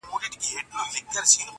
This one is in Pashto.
دا دنیا له هر بنده څخه پاتیږي،